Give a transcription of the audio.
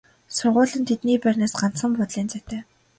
Сургууль нь тэдний байрнаас ганцхан буудлын зайтай.